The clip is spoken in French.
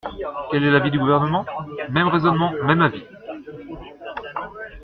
Quel est l’avis du Gouvernement ? Même raisonnement, même avis.